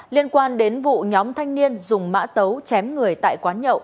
liên quan đến vụ nhóm thanh niên dùng mã tấu chém người tại quán nhậu